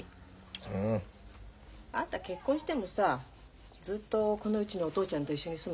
うん？あんた結婚してもさずっとこのうちにお父ちゃんと一緒に住む気？